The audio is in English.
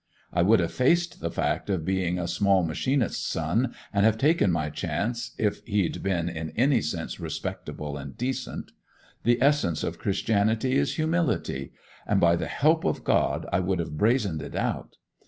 I would have faced the fact of being a small machinist's son, and have taken my chance, if he'd been in any sense respectable and decent. The essence of Christianity is humility, and by the help of God I would have brazened it out.